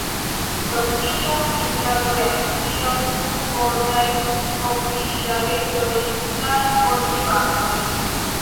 Propila nitrato reakcias kun fortaj oksidigagentoj kaj fortaj bazoj.